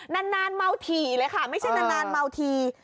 นั้นนานเมาถี่เลยค่ะไม่ใช่นั้นนานเมาถี่